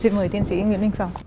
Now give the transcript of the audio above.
xin mời tiến sĩ nguyễn minh phong